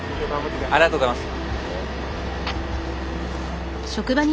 ありがとうございます。